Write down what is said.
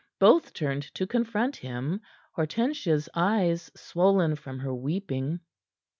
Both turned to confront him, Hortensia's eyes swollen from her weeping.